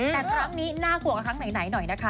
แต่ครั้งนี้น่ากลัวกว่าครั้งไหนหน่อยนะคะ